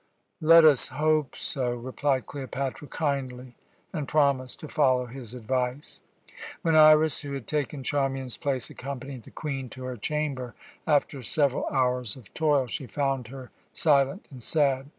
"Let us hope so." replied Cleopatra kindly, and promised to follow his advice. When Iras, who had taken Charmian's place, accompanied the Queen to her chamber after several hours of toil, she found her silent and sad.